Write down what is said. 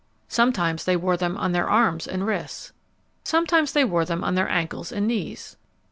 Sometimes they wore them on their arms and wrists. Sometimes they wore them on their ankles and knees.